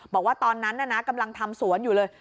บอกว่าตอนนั้นน่ะนะกำลังทำสวนอยู่เลย